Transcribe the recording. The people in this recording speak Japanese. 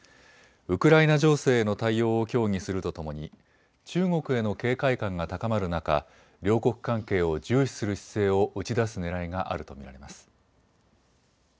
ウクライナ情勢への対応を協議するとともに中国への警戒感が高まる中、両国関係を重視する姿勢を打ち出すねらいがあると見られます。